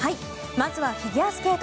まずはフィギュアスケート。